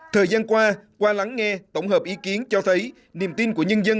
thời gian qua qua lắng nghe tổng hợp ý kiến cho thấy niềm tin của nhân dân